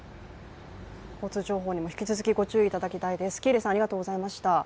交通情報にも引き続きご注意いただきたいです。